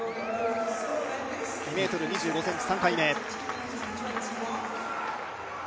２ｍ２５ｃｍ、３回目。